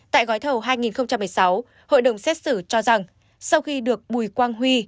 tại gói thầu hai nghìn một mươi sáu hội đồng xét xử cho rằng sau khi được bùi quang huy